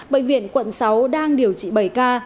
bệnh viện quận sáu đang điều trị bảy ca